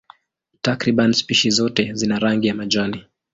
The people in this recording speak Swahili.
Takriban spishi zote zina rangi ya majani.